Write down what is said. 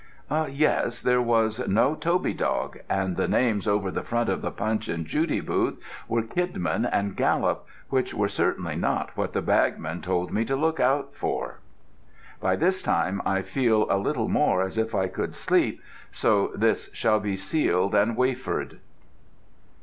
Yes, there was no Toby dog, and the names over the front of the Punch and Judy booth were Kidman and Gallop, which were certainly not what the bagman told me to look out for. By this time, I feel a little more as if I could sleep, so this shall be sealed and wafered.